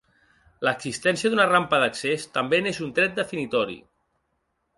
L'existència d'una rampa d'accés també n'és un tret definitori.